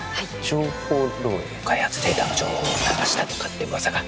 情報漏洩？開発データの情報を流したとかって噂が。